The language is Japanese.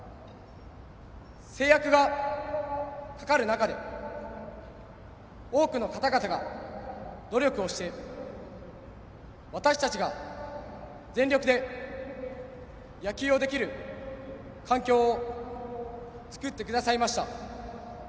制約がかかる中で多くの方々が努力をして私たちが全力で野球をできる環境を作ってくださいました。